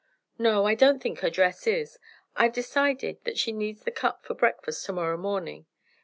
"No, I don't think her dress is. I've decided that she needs the cup for breakfast to morrow morning.